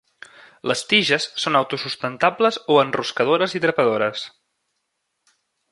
Les tiges són auto-sustentables o enroscadores i trepadores.